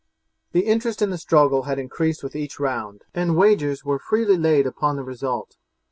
The interest in the struggle had increased with each round, and wagers were freely laid upon the result.